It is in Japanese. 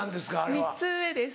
３つ上です。